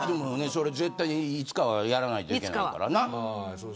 絶対いつかはやらないといけないからな。